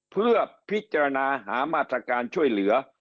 เพื่อพิจารณาหามาตรการช่วยเหลือ